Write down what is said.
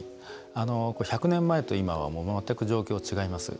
１００年前と今は全く状況違います。